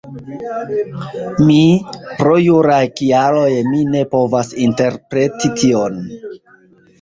Mi, pro juraj kialoj mi ne povas interpreti tion